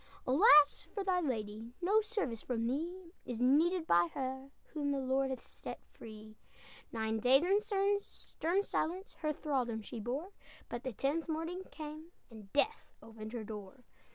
"Alas for thy lady! No service from thee Is needed by her Whom the Lord hath set free; Nine days, in stern silence, Her thraldom she bore, But the tenth morning came, And Death opened her door!"